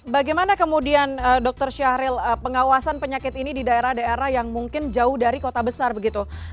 bagaimana kemudian dokter syahril pengawasan penyakit ini di daerah daerah yang mungkin jauh dari kota besar begitu